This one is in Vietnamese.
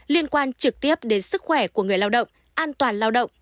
liên quan trực tiếp đến sức khỏe của người lao động an toàn lao động